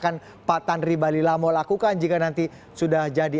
dan akan pak tanri balilamo lakukan jika nanti sudah jadi